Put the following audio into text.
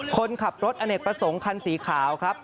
คนขับรถอเนกประสงค์คันสีขาวครับ